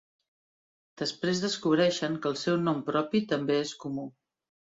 Després descobreixen que el seu nom propi també és comú.